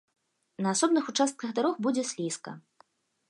На асобных участках дарог будзе слізка.